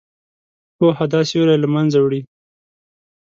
پوهه دا سیوری له منځه وړي.